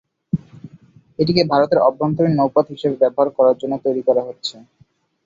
এটিকে ভারতের অভ্যন্তরীণ নৌপথ হিসাবে ব্যবহার করার জন্য তৈরি করা হচ্ছে।